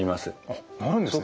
あっなるんですね。